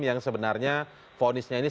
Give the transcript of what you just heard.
yang sebenarnya vonisnya ini